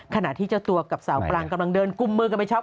ขณะที่เจ้าตัวกับสาวกลางกำลังเดินกุมมือกันไปช็อ